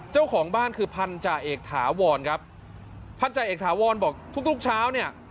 เจ้าของบ้านคือพันธาเอกถาวรครับพันธาเอกถาวรบอกทุกทุกเช้าเนี่ย